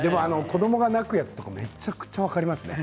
子どもが泣くやつとかめちゃくちゃ分かりますね。